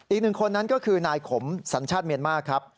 อีก๑คนนั้นก็คือนายขมสัญชาติเมียนม่า